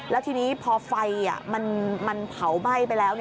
แล้วทีนี้พอไฟมันเผาไหม้ไปแล้ว